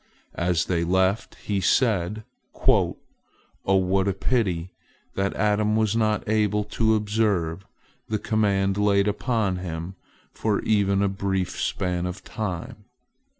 As they left, He said: "O what a pity that Adam was not able to observe the command laid upon him for even a brief span of time!"